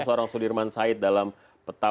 seorang sudirman said dalam peta